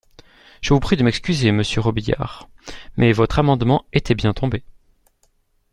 Je vous prie de m’excuser, monsieur Robiliard, mais votre amendement était bien tombé.